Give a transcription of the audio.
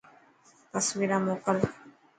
تصويران موڪل.